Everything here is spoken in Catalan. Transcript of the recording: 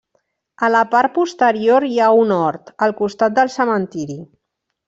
A la part posterior hi ha un hort, al costat del cementiri.